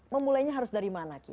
memulainya harus dari mana ki